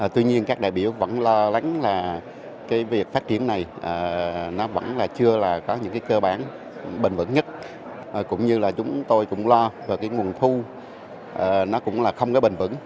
tuy nhiên các đại biểu vẫn lo lắng là việc phát triển này vẫn chưa có những cơ bản bền vững nhất cũng như chúng tôi cũng lo về nguồn thu không bền vững